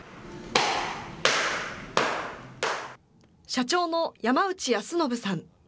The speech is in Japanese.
社長の山内康信さん。